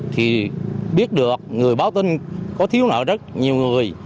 thì biết được người báo tin có thiếu nợ rất nhiều người